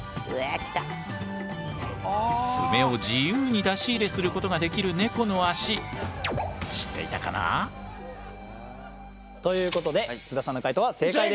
爪を自由に出し入れすることができるネコの足知っていたかな？ということで津田さんの解答は正解です。